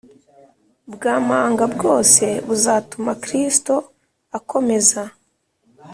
bw amanga bwose buzatuma Kristo akomeza